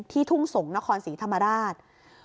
ทุ่งสงศ์นครศรีธรรมราช